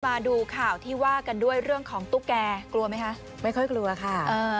มาดูข่าวที่ว่ากันด้วยเรื่องของตุ๊กแกกลัวไหมคะไม่ค่อยกลัวค่ะ